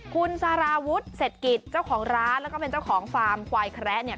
คุณสาราวุฒิเสร็จกิจเจ้าของร้านแล้วก็เป็นเจ้าของฟาร์มควายแคระเนี่ย